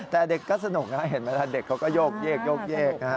แต่เด็กก็สนุกนะเห็นไหมครับเด็กเขาก็โยกเย็กโยกเย็ก